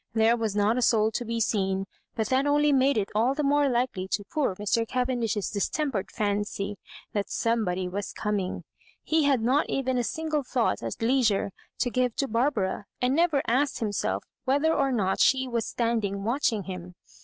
Tiiere was not a soul to be seen, but that only made it all the more likely to poor Mr. Cavendish's dis tempered fancy that somebody was coming. He had not even a single thought at leisure to give to Barbara, and never asked himself whether or not she was standing watching him.